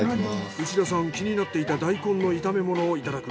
内田さん気になっていたダイコンの炒め物を頂く。